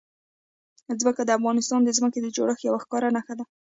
ځمکه د افغانستان د ځمکې د جوړښت یوه ښکاره نښه ده.